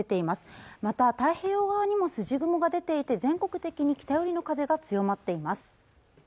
また太平洋側にも筋雲が出ていて全国的に北寄りの風が強まっています